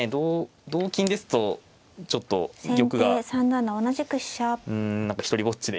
同金ですとちょっと玉がうん何か独りぼっちで。